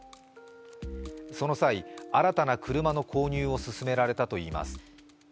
その際、新たな車の購入を勧められたといいます。